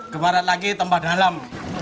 ke barat lagi tambah dalam